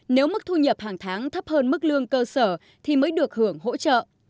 nếu mức thu nhập hàng tháng thấp hơn mức lương cơ sở thì mới được hưởng hỗ trợ